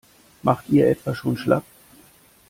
Macht ihr etwa schon schlapp?